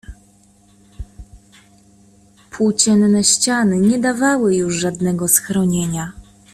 Płócienne ściany nie dawały już żadnego schronienia.